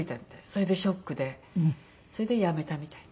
それでショックでそれで辞めたみたい。